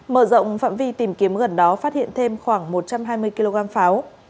mở rộng phạm vi tìm kiếm gần đó phát hiện thêm khoảng một trăm hai mươi kg pháo